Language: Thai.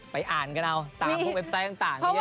ไปอ่านกันเอาตามพวกเว็บไซต์ต่างเยอะแยะ